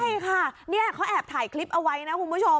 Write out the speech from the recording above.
ใช่ค่ะนี่เขาแอบถ่ายคลิปเอาไว้นะคุณผู้ชม